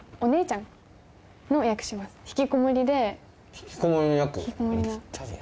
引きこもりの役？